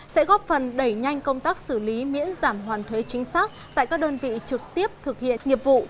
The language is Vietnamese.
sẽ góp phần đẩy nhanh công tác xử lý miễn giảm hoàn thuế chính xác tại các đơn vị trực tiếp thực hiện nghiệp vụ